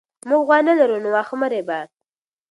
موږ غوا نه لرو نو واښه مه رېبه.